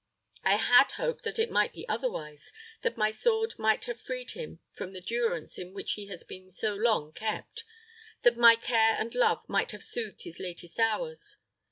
I had hoped that it might be otherwise, that my sword might have freed him from the durance in which he has been so long kept; that my care and love might have soothed his latest hours.